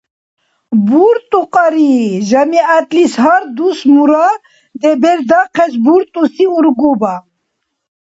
«БуртӀукьари» — жамигӀятлис гьар дус мура бердахъес буртӀуси ургуба.